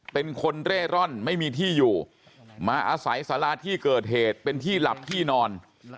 เป็นคนเร่ร่อนไม่มีที่อยู่มาอาศัยสาราที่เกิดเหตุเป็นที่หลับที่นอน